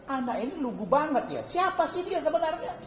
anak ini nunggu banget ya siapa sih dia sebenarnya